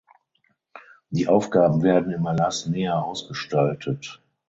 Die Aufgaben werden im Erlass näher ausgestaltet.